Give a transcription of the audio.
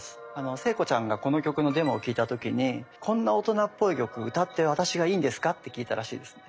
聖子ちゃんがこの曲のデモを聞いた時に「こんな大人っぽい曲歌って私がいいんですか？」って聞いたらしいんですね。